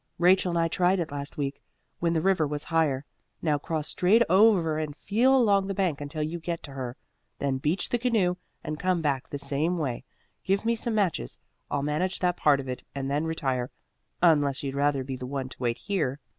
Rachel and I tried it last week, when the river was higher. Now cross straight over and feel along the bank until you get to her. Then beach the canoe and come back the same way. Give me some matches. I'll manage that part of it and then retire, unless you'd rather be the one to wait here."